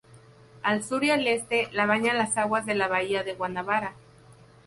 Al sur y al este, la bañan las aguas de la bahía de Guanabara.